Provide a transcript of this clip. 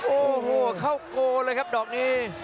โอ้โหเข้าโกเลยครับดอกนี้